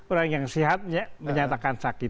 orang yang sehat menyatakan sakit